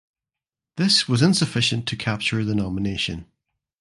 This was insufficient to capture the nomination.